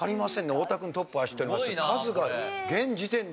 太田君トップ走っております。